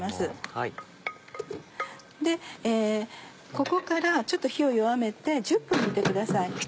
ここからちょっと火を弱めて１０分煮てください。